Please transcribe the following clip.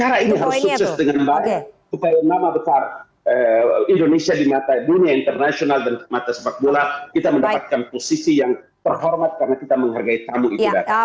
negara ini harus sukses dengan baik supaya nama besar indonesia di mata dunia internasional dan mata sepak bola kita mendapatkan posisi yang terhormat karena kita menghargai tamu itu datang